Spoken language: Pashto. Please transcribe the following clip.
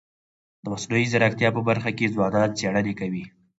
د مصنوعي ځیرکتیا په برخه کي ځوانان څېړني کوي.